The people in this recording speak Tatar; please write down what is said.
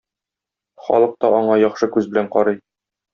Халык та аңа яхшы күз белән карый...